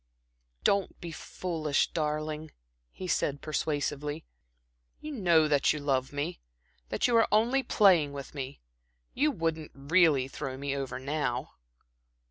"Don't be foolish, darling," he said, persuasively. "You know that you love me, that you are only playing with me. You wouldn't really throw me over now."